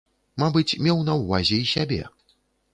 Мабыць, меў на ўвазе і сябе.